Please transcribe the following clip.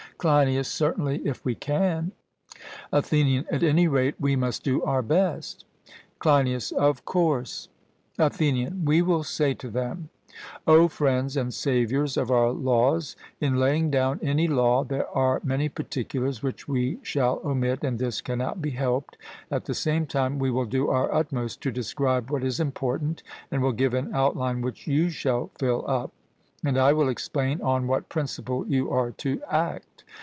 CLEINIAS: Certainly; if we can. ATHENIAN: At any rate, we must do our best. CLEINIAS: Of course. ATHENIAN: We will say to them O friends and saviours of our laws, in laying down any law, there are many particulars which we shall omit, and this cannot be helped; at the same time, we will do our utmost to describe what is important, and will give an outline which you shall fill up. And I will explain on what principle you are to act.